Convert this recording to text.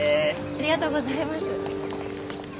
ありがとうございます。